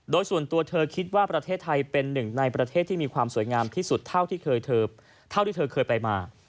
โดยส่วนตัวเธอคิดว่าประเทศไทยเป็นหนึ่งในประเทศที่มีความสวยงามที่สุดเท่าที่เธอเคยไปมา